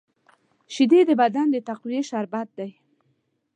شیدې د بدن د تقویې شربت دی